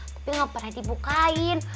tapi gak pernah dibukain